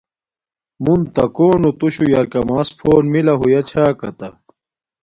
مون تا کونو توشو یرکاماس فون ملہ ہویا چھا کاتہ